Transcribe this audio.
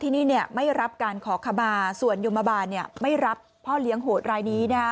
ที่นี่ไม่รับการขอขมาส่วนยมบาลไม่รับพ่อเลี้ยงโหดรายนี้